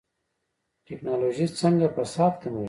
ټکنالوژي څنګه فساد کموي؟